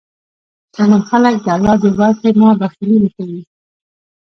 شتمن خلک د الله د ورکړې نه بخیلي نه کوي.